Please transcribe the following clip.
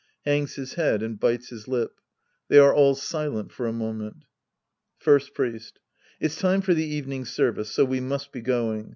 {Hangs his head and bites his lip. They are all silent for a moment.) First Priest. It's time for the evening service, so we must be going.